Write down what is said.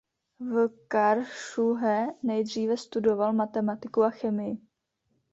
V Karlsruhe nejdříve studoval matematiku a chemii.